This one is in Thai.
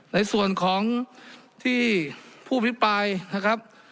ในส่วนของที่ผู้อภิปรายนะครับ